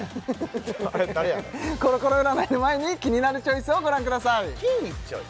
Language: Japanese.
コロコロ占いの前にキニナルチョイスをご覧ください